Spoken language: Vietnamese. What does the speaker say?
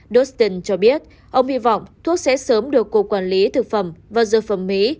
dostin cho biết ông hy vọng thuốc sẽ sớm được cục quản lý thực phẩm và dược phẩm mỹ